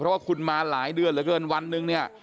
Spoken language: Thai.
เพราะว่าคุณมาหลายเดือนเหลือเกินวันหนึ่งเนี่ย